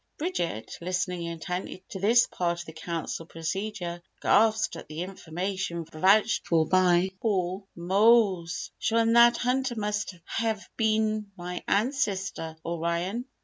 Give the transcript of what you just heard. Bridget, listening intently to this part of the Council procedure, gasped at the information vouched for by Paul. "Mose, shure an' that hunter must hev been me ancistor O'ryan!